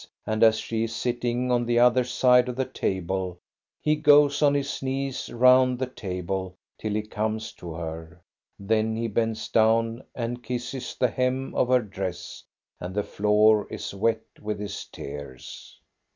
And as she is sitting on the other side of the table, he goes on his knees roimd the table till he comes to her; then he bends down and kisses the hem of her dress, and the floor is wet with his tears.